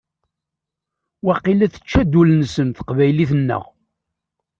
Waqila tečča-d ul-nsen teqbaylit-nneɣ.